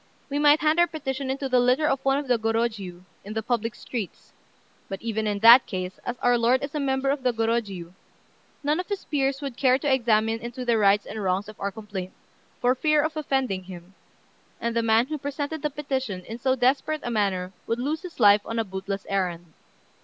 We might hand our petition into the litter of one of the Gorôjiu, in the public streets; but, even in that case, as our lord is a member of the Gorôjiu, none of his peers would care to examine into the rights and wrongs of our complaint, for fear of offending him, and the man who presented the petition in so desperate a manner would lose his life on a bootless errand.